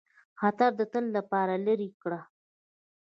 خطر د تل لپاره لیري کړ.